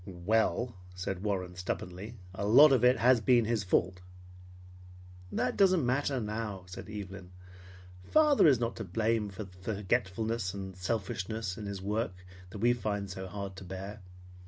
"Well, " said Warren stubbornly, "a lot of it has been his fault." "That doesn't matter now," said Evelyn. "Father is not to blame for the forgetfulness and selfishness in his work that we find so hard to bear.